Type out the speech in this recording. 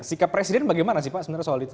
sikap presiden bagaimana sih pak sebenarnya soal itu